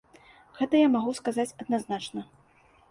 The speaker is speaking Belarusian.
Гэта я магу сказаць адназначна.